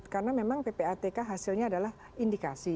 karena memang ppatk hasilnya adalah indikasi